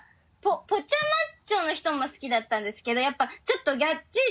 ぽちゃマッチョの人も好きだったんですけどやっぱちょっとがっちり。